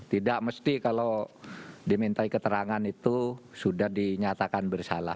tidak mesti kalau dimintai keterangan itu sudah dinyatakan bersalah